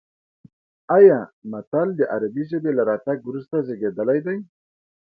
ایا متل د عربي ژبې له راتګ وروسته زېږېدلی دی